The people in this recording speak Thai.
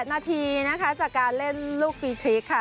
นาทีนะคะจากการเล่นลูกฟรีคลิกค่ะ